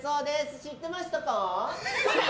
知ってましたか？